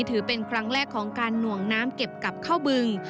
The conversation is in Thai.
ถือเป็นครั้งแรกของการหน่วงน้ำเก็บกลับเข้าบึง